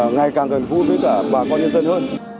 ngày càng gần gũi với cả bà con nhân dân hơn